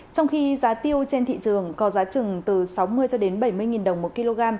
trong khi giá tiêu trên thị trường có giá trừng từ sáu mươi bảy mươi đồng một kg